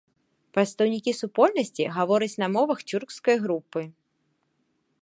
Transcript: Прадстаўнікі супольнасці гавораць на мовах цюркскай групы.